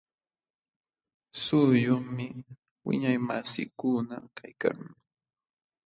Suquyuqmi wiñaymasiikuna kaykan.